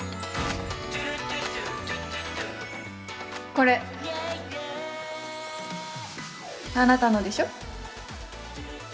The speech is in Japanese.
これあなたのでしょ？